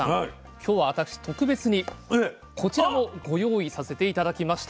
今日は私特別にこちらもご用意させて頂きました。